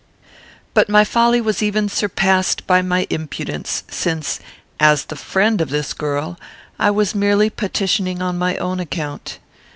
But my folly was even surpassed by my impudence, since, as the friend of this girl, I was merely petitioning on my own account.